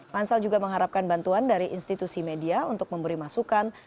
pansel juga mengharapkan bantuan dari institusi media untuk memberi masukan